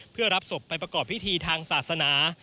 เพื่อรับศพไปประกอบพิธีทางศาสนา